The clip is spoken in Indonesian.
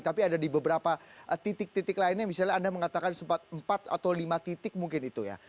tapi ada di beberapa titik titik lainnya misalnya anda mengatakan sempat empat atau lima titik mungkin itu ya